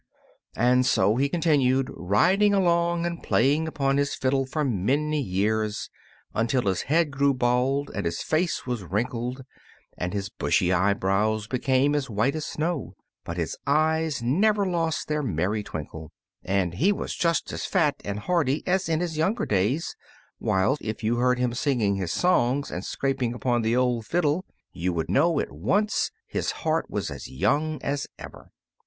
And so he continued riding along and playing upon his fiddle for many years, until his head grew bald and his face was wrinkled and his bushy eyebrows became as white as snow. But his eyes never lost their merry twinkle, and he was just as fat and hearty as in his younger days, while, if you heard him singing his songs and scraping upon the old fiddle, you would know at once his heart was as young as ever.